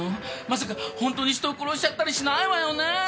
まさか本当に人を殺しちゃったりしないわよねぇ！？